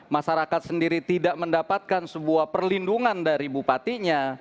masyarakat sendiri tidak mendapatkan sebuah perlindungan dari bupatinya